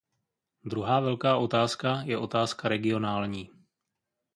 Druhá velká otázka je otázka regionální.